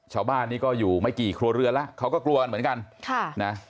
ชาวบ้านนี้ก็อยู่ไม่กี่ครัวเรือนแล้วเขาก็กลัวกันเหมือนกันค่ะนะ